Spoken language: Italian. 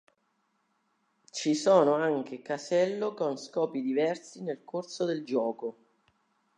Ci sono anche casello con scopi diversi nel corso del gioco.